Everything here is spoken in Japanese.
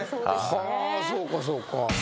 はぁそうかそうか。